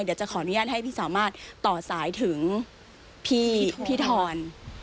เดี๋ยวจะขออนุญาตให้พี่สามารถต่อสายถึงพี่ทอน